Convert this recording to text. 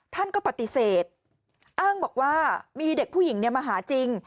ท่านก็ปฏิเสธอ้างบอกว่ามีเด็กผู้หญิงมาหาจริง